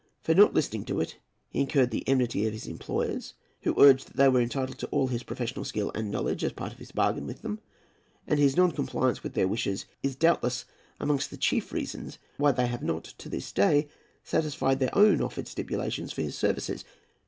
For not listening to it, he incurred the enmity of his employers, who urged that they were entitled to all his professional skill and knowledge, as a part of his bargain with them; and his non compliance with their wishes is doubtless amongst the chief reasons why they have not, to this day, satisfied their own offered stipulations for his services.